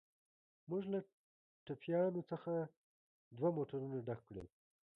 موږ له ټپیانو څخه دوه موټرونه ډک کړل.